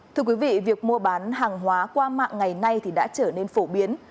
thưa quý vị việc mua bán hàng hóa qua mạng ngày nay thì đã trở nên phổ biến